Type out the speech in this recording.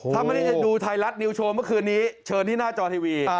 ถ้าไม่ได้ดูไทยรัฐนิวโชว์เมื่อคืนนี้เชิญที่หน้าจอทีวี